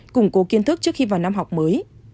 củng cố kiến thức trước khi vào năm học mới